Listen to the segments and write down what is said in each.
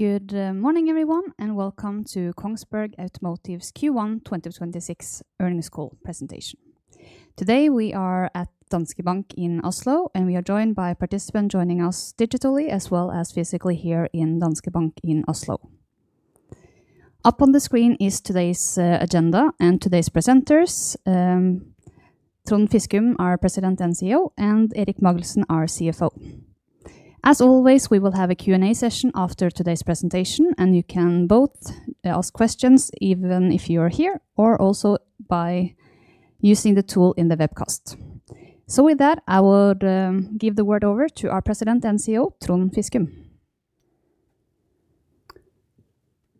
Good morning, everyone, and welcome to Kongsberg Automotive's Q1 2026 earnings call presentation. Today, we are at Danske Bank in Oslo, and we are joined by participants joining us digitally as well as physically here in Danske Bank in Oslo. Up on the screen is today's agenda and today's presenters, Trond Fiskum, our President and CEO, and Erik Magelssen, our CFO. As always, we will have a Q&A session after today's presentation. You can both ask questions even if you are here or also by using the tool in the webcast. With that, I would give the word over to our President and CEO, Trond Fiskum.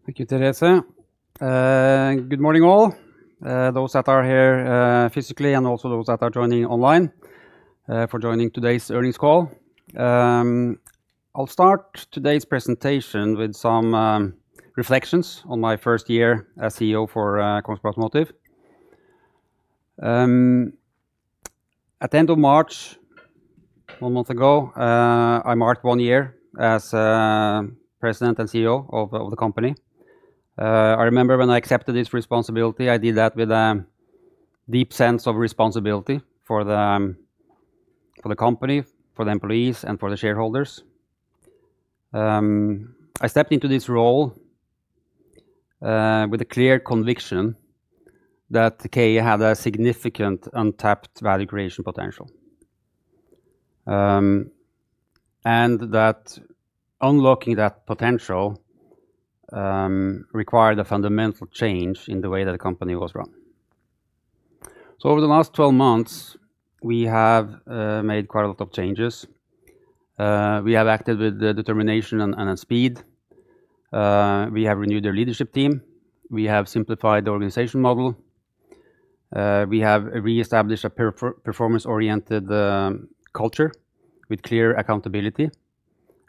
Thank you, Therese. Good morning, all, those that are here, physically, and also those that are joining online, for joining today's earnings call. I'll start today's presentation with some reflections on my first year as CEO for Kongsberg Automotive. At the end of March, one month ago, I marked one year as President and CEO of the company. I remember when I accepted this responsibility, I did that with a deep sense of responsibility for the company, for the employees, and for the shareholders. I stepped into this role with a clear conviction that KA had a significant untapped value creation potential, that unlocking that potential required a fundamental change in the way that the company was run. Over the last 12 months, we have made quite a lot of changes. We have acted with determination and speed. We have renewed the leadership team. We have simplified the organization model. We have reestablished a performance-oriented culture with clear accountability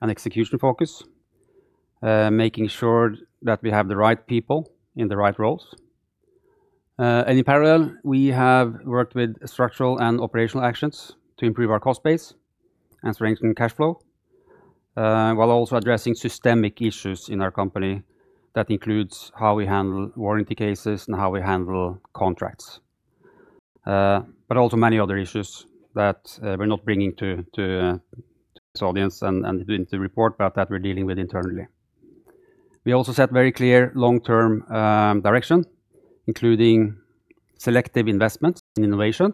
and execution focus, making sure that we have the right people in the right roles. In parallel, we have worked with structural and operational actions to improve our cost base and strengthen cash flow, while also addressing systemic issues in our company. That includes how we handle warranty cases and how we handle contracts. Also many other issues that we're not bringing to this audience and doing the report, but that we're dealing with internally. We also set very clear long-term direction, including selective investments in innovation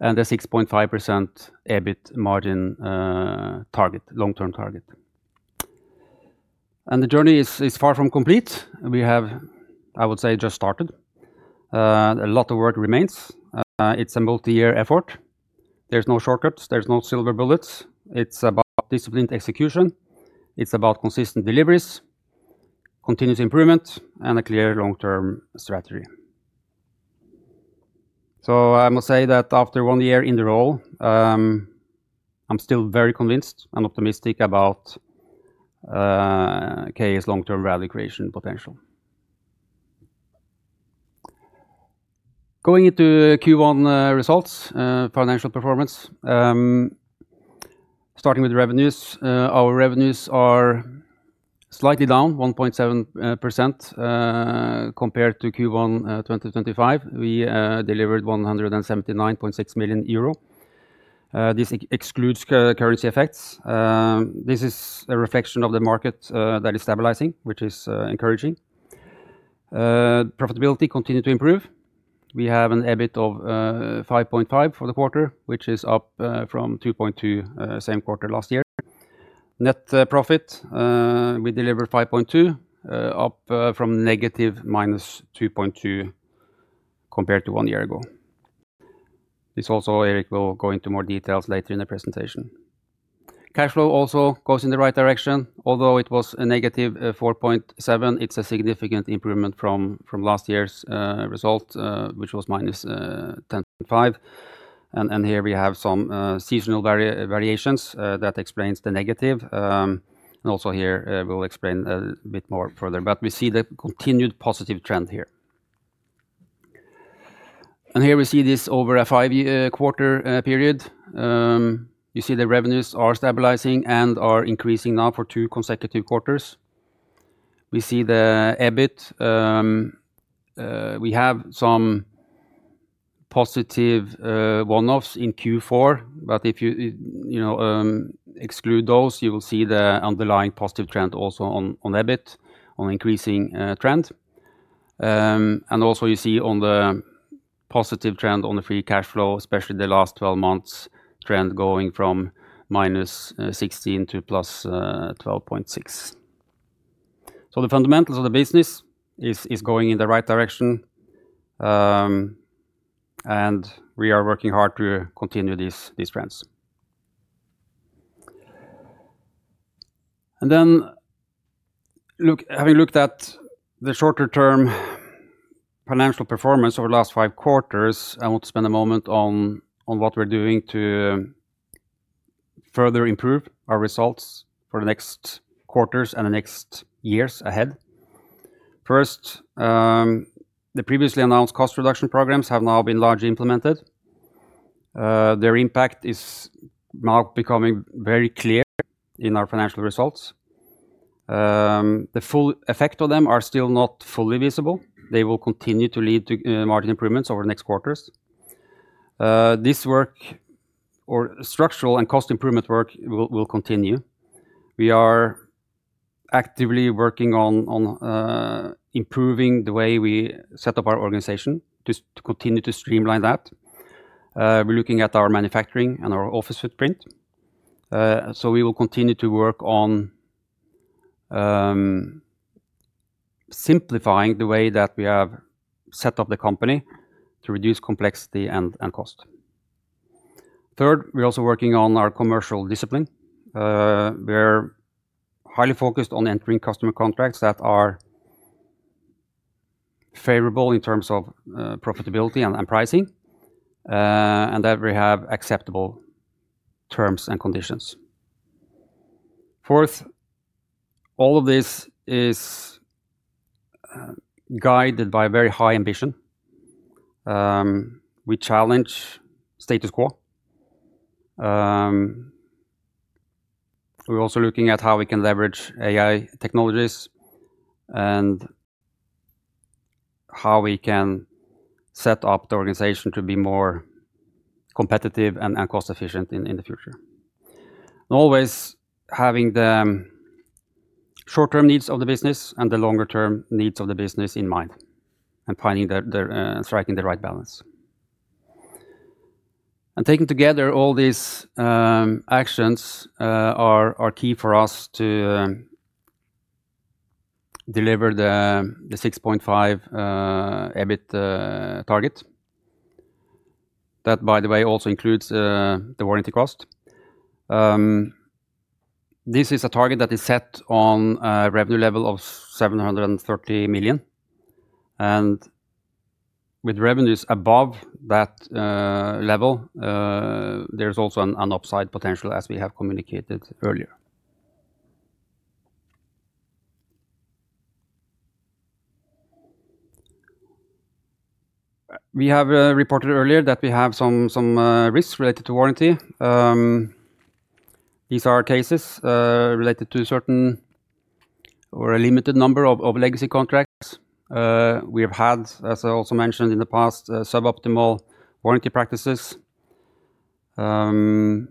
and a 6.5% EBIT margin target, long-term target. The journey is far from complete. We have, I would say, just started. A lot of work remains. It's a multi-year effort. There's no shortcuts. There's no silver bullets. It's about disciplined execution. It's about consistent deliveries, continuous improvement, and a clear long-term strategy. I must say that after one year in the role, I'm still very convinced and optimistic about KA's long-term value creation potential. Going into Q1 results, financial performance. Starting with revenues. Our revenues are slightly down 1.7% compared to Q1 2025. We delivered 179.6 million euro. This excludes currency effects. This is a reflection of the market that is stabilizing, which is encouraging. Profitability continued to improve. We have an EBIT of 5.5 for the quarter, which is up from 2.2 same quarter last year. Net profit, we delivered 5.2, up from negative minus 2.2 compared to one year ago. This also Erik will go into more details later in the presentation. Cash flow also goes in the right direction. Although it was a negative 4.7, it's a significant improvement from last year's result, which was minus 10.5. Here we have some seasonal variations that explains the negative. Also here will explain a bit more further, but we see the continued positive trend here. Here we see this over a five-year quarter period. You see the revenues are stabilizing and are increasing now for two consecutive quarters. We see the EBIT. We have some positive one-offs in Q4, but if you know, exclude those, you will see the underlying positive trend also on EBIT, on increasing trend. Also you see on the positive trend on the free cash flow, especially the last 12 months trend going from -16 to +12.6. The fundamentals of the business is going in the right direction, and we are working hard to continue these trends. Having looked at the shorter-term financial performance over the last five quarters, I want to spend a moment on what we're doing to further improve our results for the next quarters and the next years ahead. First, the previously announced cost reduction programs have now been largely implemented. Their impact is now becoming very clear in our financial results. The full effect of them are still not fully visible. They will continue to lead to margin improvements over the next quarters. This work or structural and cost improvement work will continue. We are actively working on improving the way we set up our organization to continue to streamline that. We're looking at our manufacturing and our office footprint. We will continue to work on simplifying the way that we have set up the company to reduce complexity and cost. Third, we're also working on our commercial discipline. We're highly focused on entering customer contracts that are favorable in terms of profitability and pricing and that we have acceptable terms and conditions. Fourth, all of this is guided by very high ambition. We challenge status quo. We're also looking at how we can leverage AI technologies and how we can set up the organization to be more competitive and cost efficient in the future. Always having the short-term needs of the business and the longer-term needs of the business in mind and finding the striking the right balance. Taken together, all these actions are key for us to deliver the 6.5% EBIT target. That, by the way, also includes the warranty cost. This is a target that is set on a revenue level of 730 million. With revenues above that level, there's also an upside potential as we have communicated earlier. We have reported earlier that we have some risks related to warranty. These are cases related to a certain or a limited number of legacy contracts. We have had, as I also mentioned in the past, suboptimal warranty practices. The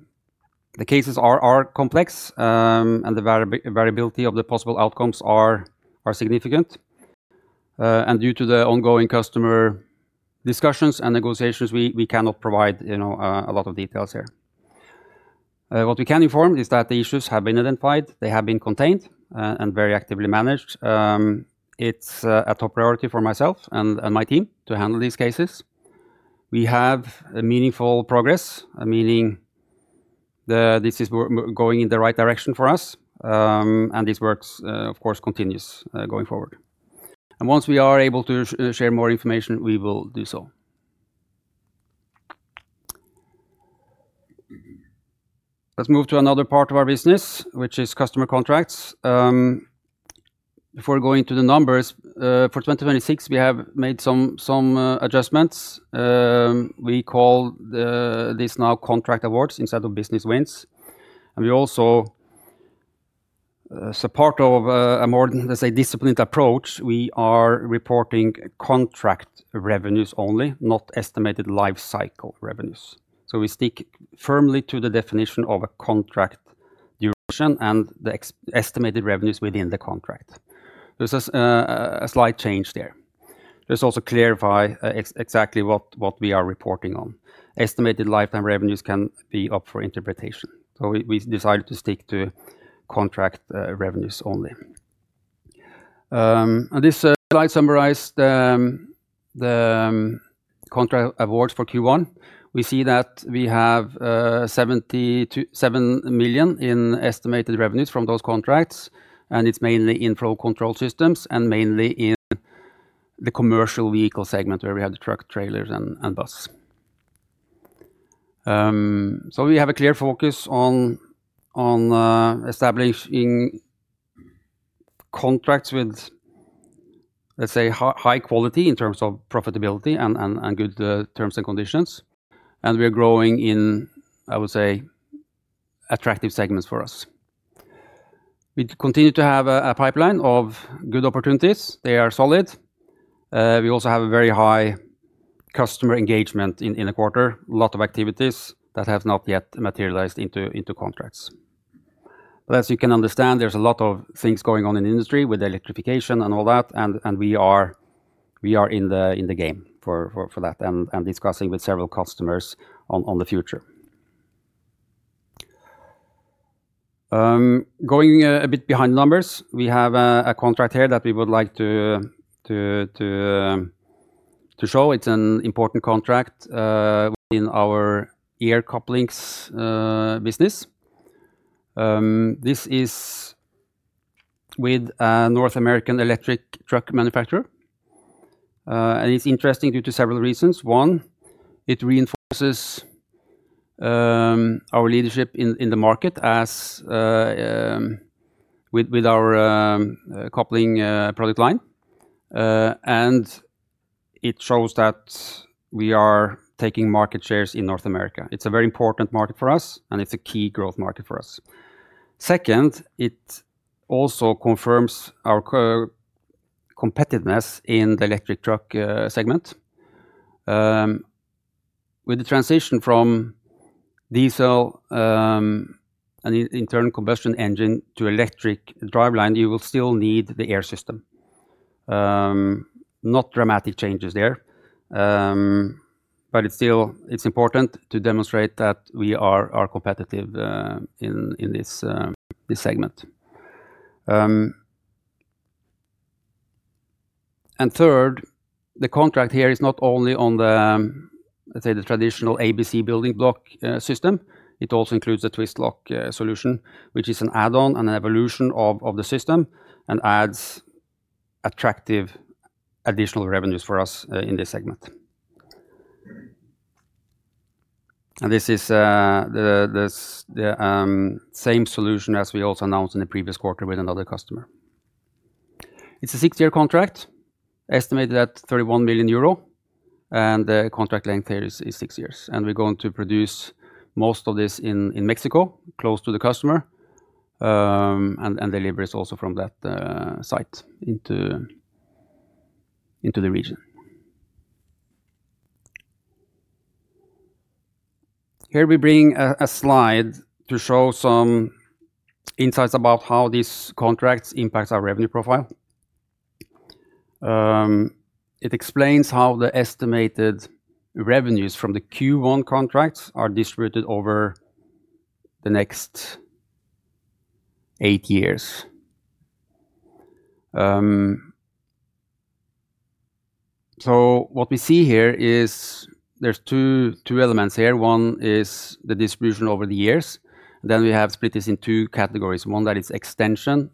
cases are complex, and the variability of the possible outcomes are significant. Due to the ongoing customer discussions and negotiations, we cannot provide, you know, a lot of details here. What we can inform is that the issues have been identified, they have been contained, and very actively managed. It's a top priority for myself and my team to handle these cases. We have a meaningful progress, meaning this is going in the right direction for us, and this work, of course, continues going forward. Once we are able to share more information, we will do so. Let's move to another part of our business, which is customer contracts. Before going to the numbers for 2026, we have made some adjustments. We call this now contract awards instead of business wins. We also, as a part of a more, let's say, disciplined approach, we are reporting contract revenues only, not estimated life cycle revenues. We stick firmly to the definition of a contract duration and the estimated revenues within the contract. This is a slight change there. Let's also clarify exactly what we are reporting on. Estimated lifetime revenues can be up for interpretation. We decided to stick to contract revenues only. This slide summarize the contract awards for Q1. We see that we have 77 million in estimated revenues from those contracts, and it's mainly in Flow Control Systems and mainly in the commercial vehicle segment where we have the truck, trailers, and bus. We have a clear focus on establishing contracts with, let's say, high quality in terms of profitability and good terms and conditions. We are growing in, I would say, attractive segments for us. We continue to have a pipeline of good opportunities. They are solid. We also have a very high customer engagement in the quarter. A lot of activities that have not yet materialized into contracts. As you can understand, there's a lot of things going on in industry with electrification and all that, and we are in the game for that and discussing with several customers on the future. Going a bit behind the numbers, we have a contract here that we would like to show. It's an important contract within our air couplings business. This is with a North American electric truck manufacturer. It's interesting due to several reasons. One, it reinforces our leadership in the market as with our coupling product line. It shows that we are taking market shares in North America. It's a very important market for us, and it's a key growth market for us. Second, it also confirms our co-competitiveness in the Electric Truck segment. With the transition from diesel, and internal combustion engine to electric driveline, you will still need the air system. Not dramatic changes there, but it's still, it's important to demonstrate that we are competitive in this segment. Third, the contract here is not only on the, let's say, the traditional ABC building block system, it also includes a twist lock solution, which is an add-on and an evolution of the system and adds attractive additional revenues for us in this segment. This is the same solution as we also announced in the previous quarter with another customer. It's a six-year contract estimated at 31 million euro, the contract length here is six years. We're going to produce most of this in Mexico, close to the customer, and delivers also from that site into the region. Here we bring a slide to show some insights about how these contracts impacts our revenue profile. It explains how the estimated revenues from the Q1 contracts are distributed over the next eight years. What we see here is there's two elements here. One is the distribution over the years. We have split this in two categories. One that is extension,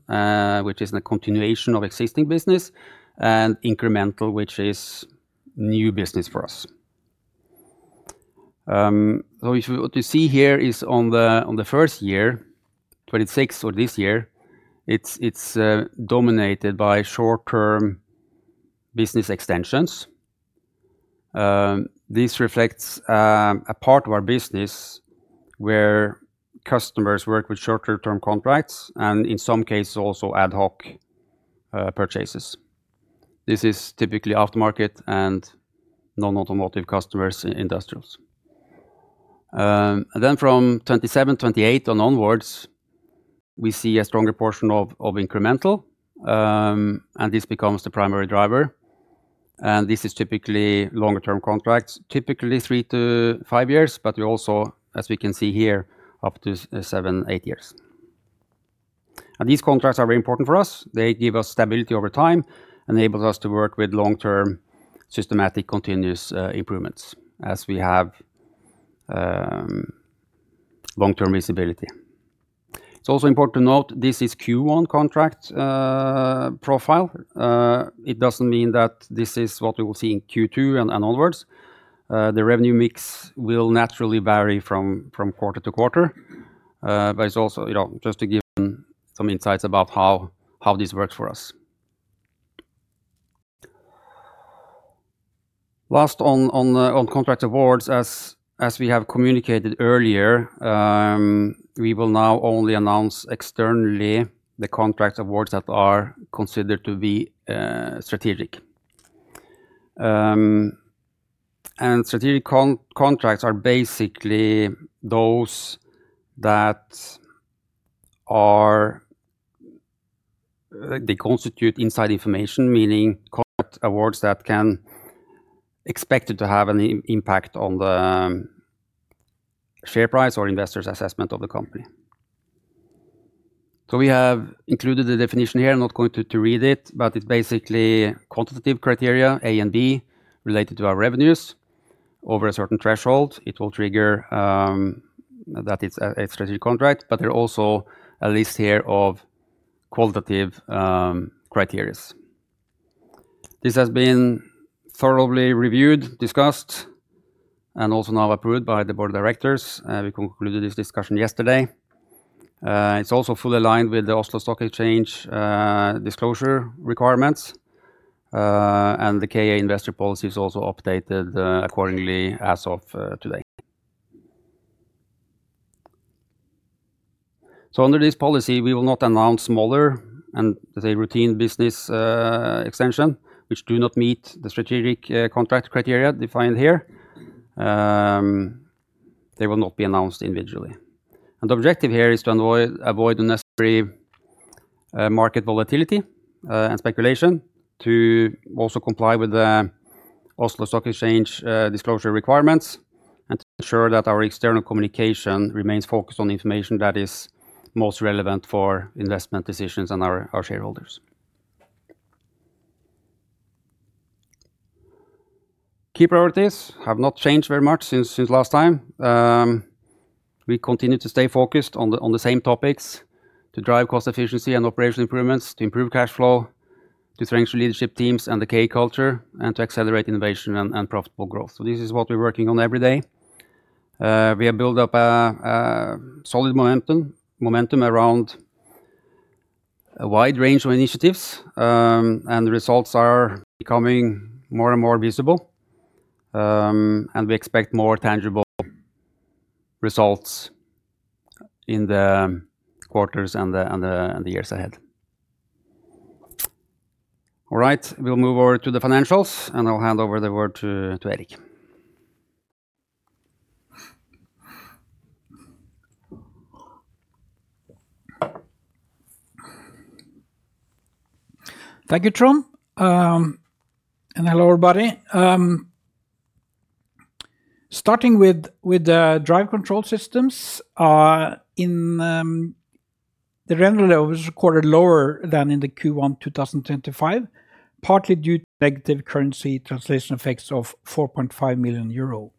which is the continuation of existing business, and incremental, which is new business for us. What you see here is on the first year, 2026 or this year, it's dominated by short-term business extensions. This reflects a part of our business where customers work with shorter-term contracts and in some cases also ad hoc purchases. This is typically aftermarket and non-automotive customers in industrials. From 2027, 2028 and onwards, we see a stronger portion of incremental, and this becomes the primary driver. This is typically longer term contracts, typically three to five years, but we also, as we can see here, up to seven, eight years. These contracts are very important for us. They give us stability over time, enables us to work with long-term, systematic, continuous improvements as we have long-term visibility. It's also important to note this is Q1 contract profile. It doesn't mean that this is what we will see in Q2 and onwards. The revenue mix will naturally vary from quarter to quarter. It's also, you know, just to give some insights about how this works for us. Last on contract awards, as we have communicated earlier, we will now only announce externally the contract awards that are considered to be strategic. Strategic contracts are basically those that are, they constitute inside information, meaning contract awards that can expected to have an impact on the share price or investors' assessment of the company. We have included the definition here. I'm not going to read it, but it's basically quantitative criteria A and B related to our revenues over a certain threshold. It will trigger that it's a strategic contract, but there are also a list here of qualitative criteria. This has been thoroughly reviewed, discussed, and also now approved by the board of directors. We concluded this discussion yesterday. It's also fully aligned with the Oslo Stock Exchange disclosure requirements, and the KA investor policy is also updated accordingly as of today. Under this policy, we will not announce smaller and, let's say, routine business extension, which do not meet the strategic contract criteria defined here. They will not be announced individually. The objective here is to avoid unnecessary market volatility and speculation to also comply with the Oslo Stock Exchange disclosure requirements and to ensure that our external communication remains focused on the information that is most relevant for investment decisions and our shareholders. Key priorities have not changed very much since last time. We continue to stay focused on the same topics to drive cost efficiency and operational improvements, to improve cash flow, to strengthen leadership teams and the K culture, and to accelerate innovation and profitable growth. This is what we're working on every day. We have built up a solid momentum around a wide range of initiatives, and the results are becoming more and more visible. We expect more tangible results in the quarters and the years ahead. All right, we'll move over to the financials, and I'll hand over the word to Erik. Thank you, Trond. Hello, everybody. Starting with the Drive Control Systems, the revenue level was recorded lower than in the Q1 2025, partly due to negative currency translation effects of 4.5 million euro.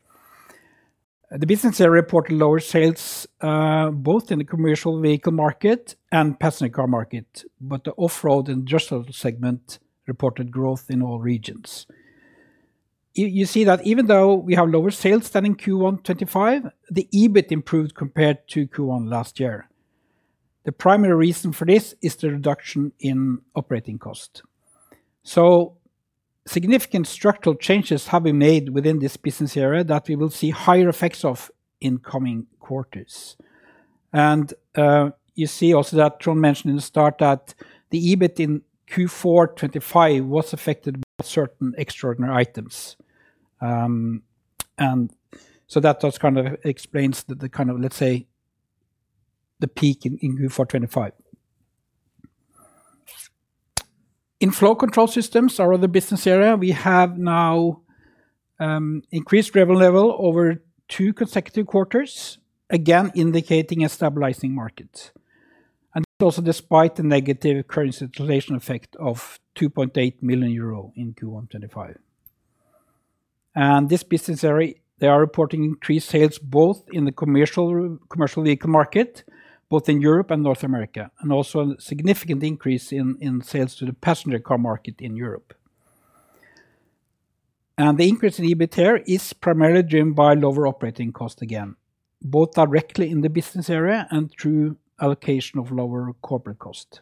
The business area reported lower sales, both in the commercial vehicle market and passenger car market, but the Off-road Industrial segment reported growth in all regions. You see that even though we have lower sales than in Q1 2025, the EBIT improved compared to Q1 last year. The primary reason for this is the reduction in operating cost. Significant structural changes have been made within this business area that we will see higher effects of in coming quarters. You see also that Trond mentioned in the start that the EBIT in Q4 2025 was affected by certain extraordinary items. That does kind of explains the kind of, let's say, the peak in Q4 2025. In Flow Control Systems, our other business area, we have now increased revenue level over two consecutive quarters, again, indicating a stabilizing market. This also despite the negative currency translation effect of 2.8 million euro in Q1 2025. This business area, they are reporting increased sales both in the commercial commercial vehicle market, both in Europe and North America, and also a significant increase in sales to the passenger car market in Europe. The increase in EBIT here is primarily driven by lower operating cost again, both directly in the business area and through allocation of lower corporate cost.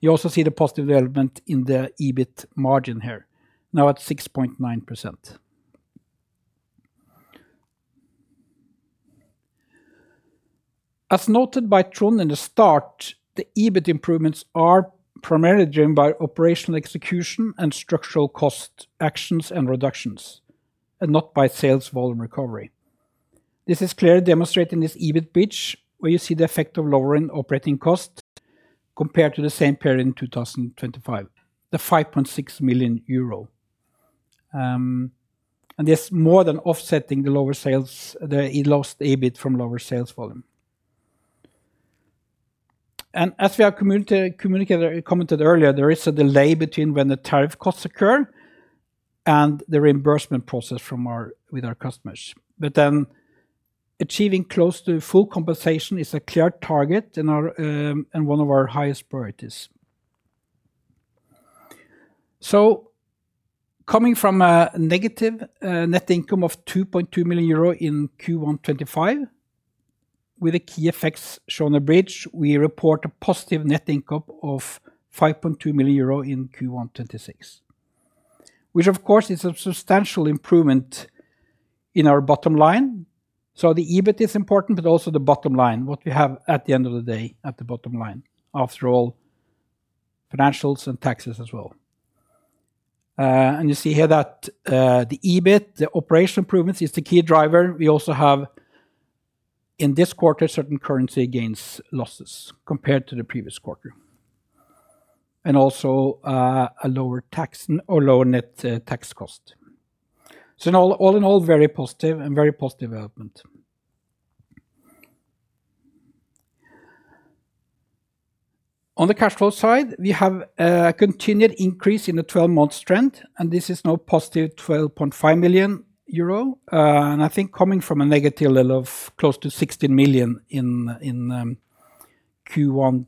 You also see the positive development in the EBIT margin here, now at 6.9%. As noted by Trond in the start, the EBIT improvements are primarily driven by operational execution and structural cost actions and reductions, not by sales volume recovery. This is clearly demonstrated in this EBIT bridge, where you see the effect of lowering operating costs compared to the same period in 2025, the 5.6 million euro. This more than offsetting the lower sales, the lost EBIT from lower sales volume. As we have communicated, commented earlier, there is a delay between when the tariff costs occur and the reimbursement process from our, with our customers. Achieving close to full compensation is a clear target and our, and one of our highest priorities. Coming from a negative net income of 2.2 million euro in Q1 2025, with the key effects shown on the bridge, we report a positive net income of 5.2 million euro in Q1 2026, which of course is a substantial improvement in our bottom line. The EBIT is important, but also the bottom line, what we have at the end of the day at the bottom line, after all financials and taxes as well. You see here that the EBIT, the operational improvements is the key driver. We also have, in this quarter, certain currency gains, losses compared to the previous quarter, and also a lower tax or lower net tax cost. In all in all, very positive and very positive development. On the cash flow side, we have a continued increase in the 12-month trend, and this is now positive 12.5 million euro. I think coming from a negative level of close to 16 million in Q1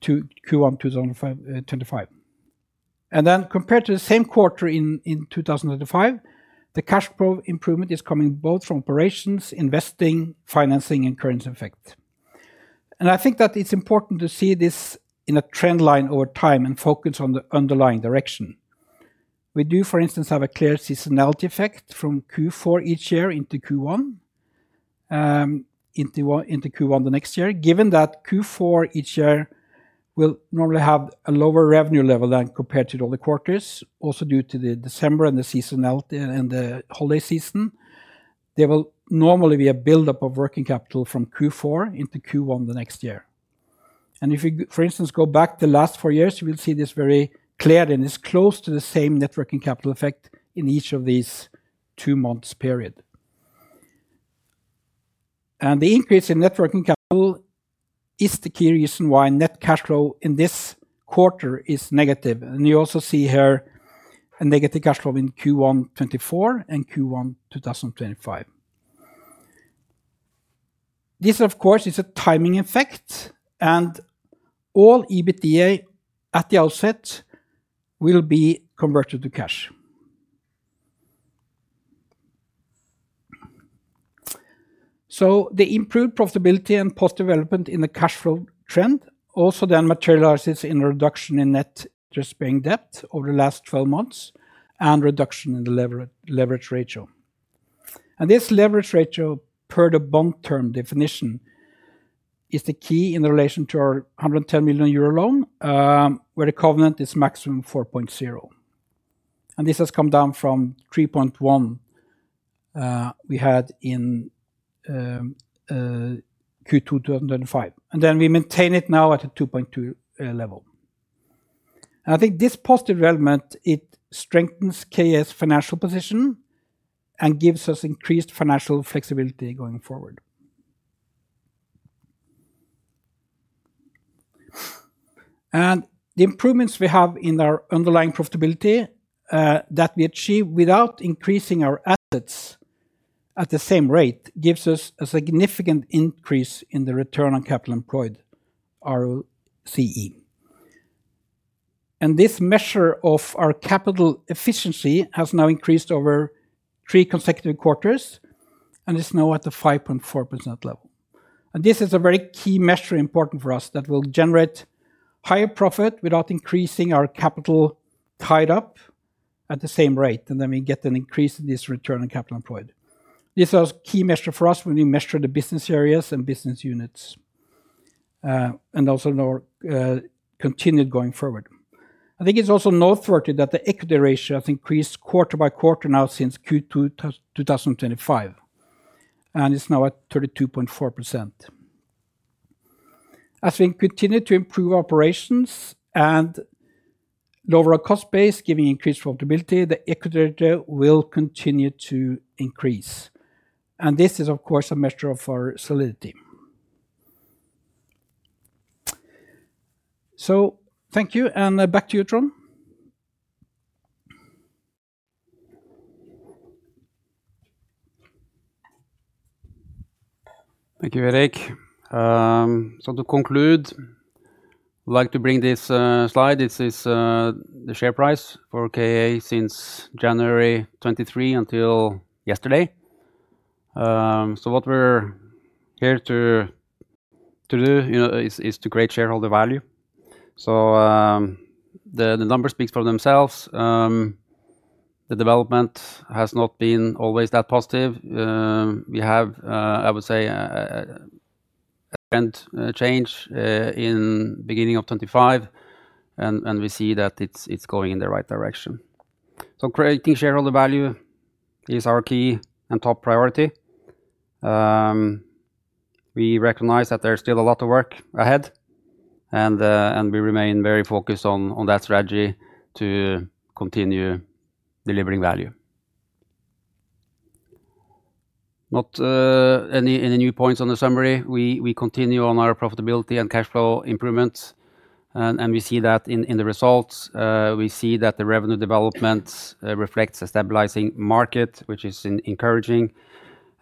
2025. Then compared to the same quarter in 2025, the cash flow improvement is coming both from operations, investing, financing, and currency effect. I think that it's important to see this in a trend line over time and focus on the underlying direction. We do, for instance, have a clear seasonality effect from Q4 each year into Q1 the next year. Given that Q4 each year will normally have a lower revenue level than compared to the other quarters, also due to the December and the seasonality and the holiday season, there will normally be a buildup of working capital from Q4 into Q1 the next year. If you for instance, go back the last four years, you will see this very clear, and it's close to the same net working capital effect in each of these two months period. The increase in net working capital is the key reason why net cash flow in this quarter is negative. You also see here a negative cash flow in Q1 2024 and Q1 2025. This, of course, is a timing effect, and all EBITDA at the outset will be converted to cash. The improved profitability and positive development in the cash flow trend also materializes in a reduction in net interest-paying debt over the last 12 months and reduction in the leverage ratio. This leverage ratio, per the bond term definition, is the key in the relation to our 110 million euro loan, where the covenant is maximum 4.0. This has come down from 3.1 we had in Q2 2005. We maintain it now at a 2.2 level. I think this positive development, it strengthens KA's financial position and gives us increased financial flexibility going forward. The improvements we have in our underlying profitability, that we achieve without increasing our assets at the same rate, gives us a significant increase in the Return on Capital Employed, ROCE. This measure of our capital efficiency has now increased over three consecutive quarters and is now at the 5.4% level. This is a very key measure important for us that will generate higher profit without increasing our capital tied up at the same rate, then we get an increase in this Return on Capital Employed. This is a key measure for us when we measure the business areas and business units, and also our continued going forward. I think it's also noteworthy that the equity ratio has increased quarter by quarter now since Q2 2025, it's now at 32.4%. As we continue to improve operations and lower our cost base giving increased profitability, the equity ratio will continue to increase. This is, of course, a measure of our solidity. Thank you, and back to you, Trond. Thank you, Erik. To conclude, like to bring this slide. This is the share price for KA since January 2023 until yesterday. What we're here to do, you know, is to create shareholder value. The numbers speaks for themselves. The development has not been always that positive. We have, I would say a trend change in beginning of 2025 and we see that it's going in the right direction. Creating shareholder value is our key and top priority. We recognize that there's still a lot of work ahead and we remain very focused on that strategy to continue delivering value. Not any new points on the summary. We continue on our profitability and cash flow improvements, and we see that in the results. We see that the revenue developments reflects a stabilizing market, which is encouraging.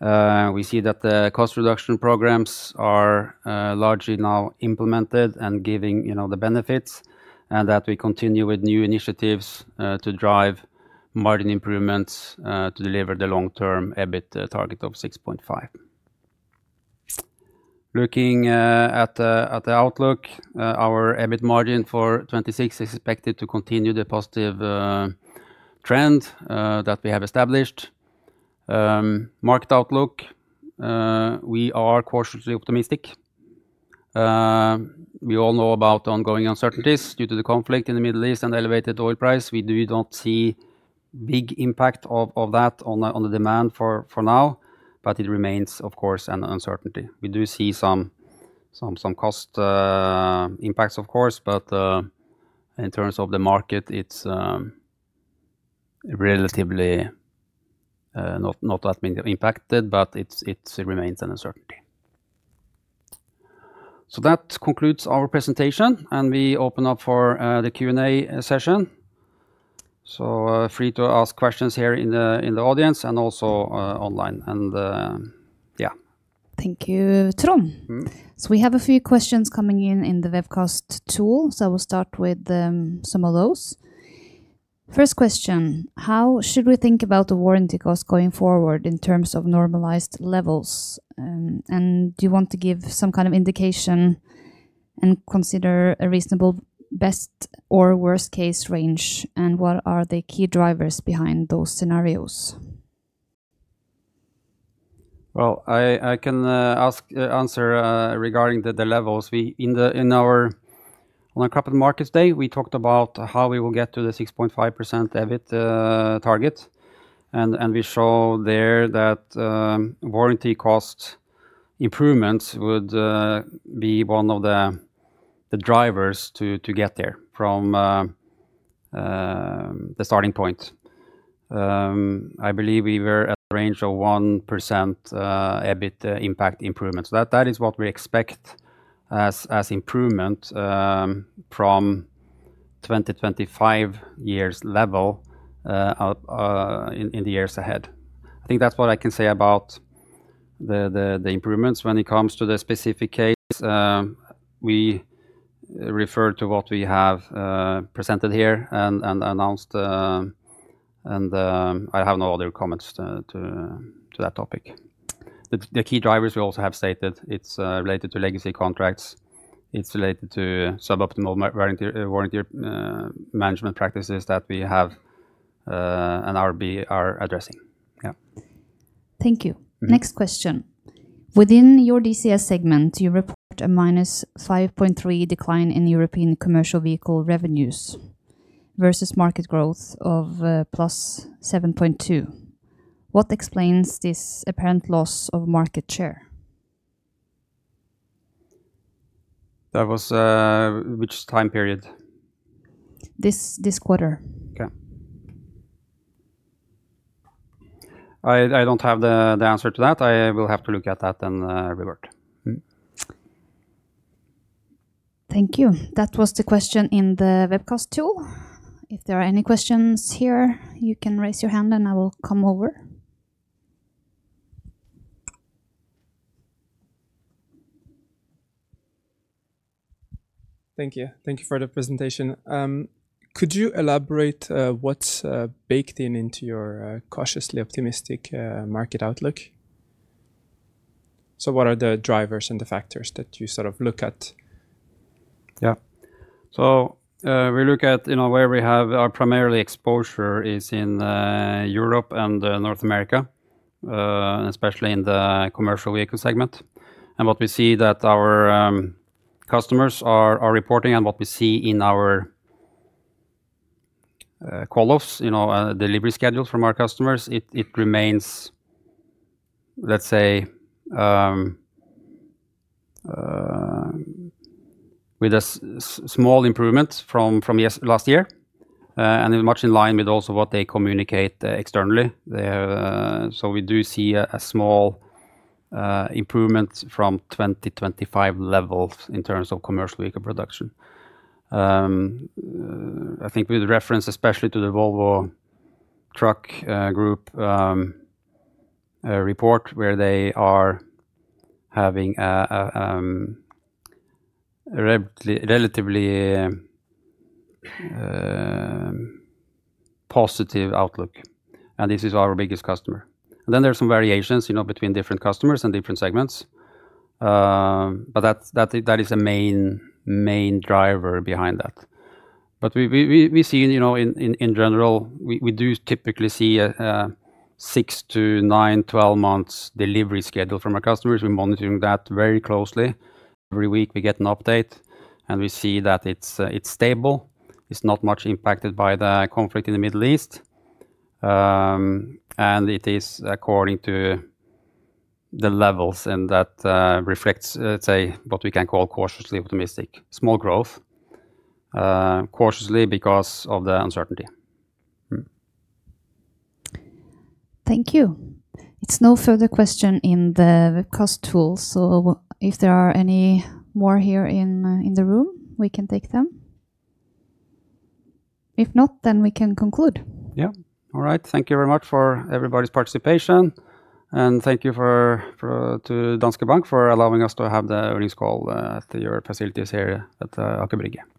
We see that the cost reduction programs are largely now implemented and giving, you know, the benefits and that we continue with new initiatives to drive margin improvements to deliver the long-term EBIT target of 6.5%. Looking at the outlook, our EBIT margin for 2026 is expected to continue the positive trend that we have established. Market outlook, we are cautiously optimistic. We all know about ongoing uncertainties due to the conflict in the Middle East and elevated oil price. We don't see big impact of that on the demand for now, but it remains, of course, an uncertainty. We do see some cost impacts of course, but in terms of the market, it's relatively not that impacted, but it remains an uncertainty. That concludes our presentation, and we open up for the Q&A session. Free to ask questions here in the audience and also online and yeah. Thank you, Trond. Mm-hmm. We have a few questions coming in in the webcast tool, so we'll start with, some of those. First question, how should we think about the warranty cost going forward in terms of normalized levels? Do you want to give some kind of indication and consider a reasonable best or worst case range, and what are the key drivers behind those scenarios? Well, I can answer regarding the levels. On our Capital Markets Day, we talked about how we will get to the 6.5% EBIT target, and we show there that warranty cost improvements would be one of the drivers to get there from the starting point. I believe we were at a range of 1% EBIT impact improvement. That is what we expect as improvement from 2025 years level in the years ahead. I think that's what I can say about the improvements when it comes to the specific case. We refer to what we have presented here and announced, and I have no other comments to that topic. The key drivers we also have stated it's related to legacy contracts. It's related to suboptimal warranty management practices that we have and RB are addressing. Yeah. Thank you. Mm-hmm. Next question. Within your DCS segment, you report a -5.3% decline in European commercial vehicle revenues versus market growth of +7.2%. What explains this apparent loss of market share? That was Which time period? This quarter. Okay. I don't have the answer to that. I will have to look at that and revert. Thank you. That was the question in the webcast tool. If there are any questions here, you can raise your hand and I will come over. Thank you. Thank you for the presentation. Could you elaborate, what's baked in into your cautiously optimistic market outlook? What are the drivers and the factors that you sort of look at? Yeah. We look at, you know, where we have our primarily exposure is in Europe and North America, especially in the Commercial Vehicle segment. What we see that our customers are reporting and what we see in our call-offs, you know, delivery schedules from our customers, it remains, let's say, with a small improvement from last year, and is much in line with also what they communicate externally. They're. We do see a small improvement from 2025 levels in terms of commercial vehicle production. I think with reference especially to the Volvo Group report, where they are having a relatively positive outlook, and this is our biggest customer. There are some variations, you know, between different customers and different segments. That, that is a main driver behind that. We see, you know, in general, we do typically see a 6 to 9, 12 months delivery schedule from our customers. We are monitoring that very closely. Every week we get an update, and we see that it is stable. It is not much impacted by the conflict in the Middle East. It is according to the levels and that reflects, let’s say, what we can call cautiously optimistic. Small growth, cautiously because of the uncertainty. Thank you. It's no further question in the webcast tool, so if there are any more here in the room, we can take them. If not, then we can conclude. Yeah. All right. Thank you very much for everybody's participation, and thank you for to Danske Bank for allowing us to have the earnings call, at your facilities here at, Aker Brygge.